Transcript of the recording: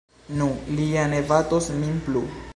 Nu, li ja ne batos min plu.